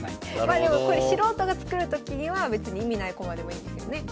まあでもこれ素人が作るときには別に意味ない駒でもいいんですよね。